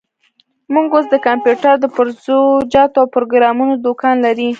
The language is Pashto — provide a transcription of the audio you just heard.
موږ اوس د کمپيوټر د پرزه جاتو او پروګرامونو دوکان لري.